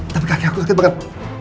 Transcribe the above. tapi kaki aku sakit banget